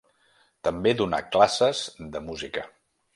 També donà classes de música.